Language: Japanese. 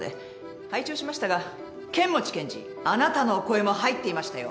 拝聴しましたが剣持検事あなたのお声も入っていましたよ。